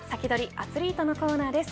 アツリートのコーナーです。